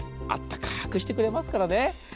あったかくしてくれますからね。